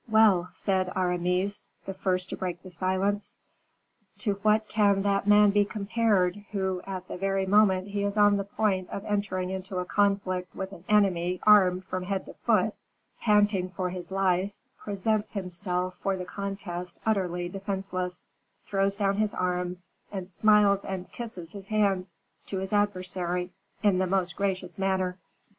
"Well," said Aramis, the first to break the silence; "to what can that man be compared, who, at the very moment he is on the point of entering into a conflict with an enemy armed from head to foot, panting for his life, presents himself for the contest utterly defenseless, throws down his arms, and smiles and kisses his hands to his adversary in the most gracious manner?